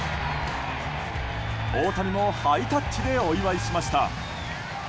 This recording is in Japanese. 大谷もハイタッチでお祝いしました。